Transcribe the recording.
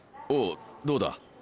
おうどうだ？